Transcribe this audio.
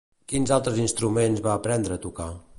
Quins altres instruments va aprendre a tocar?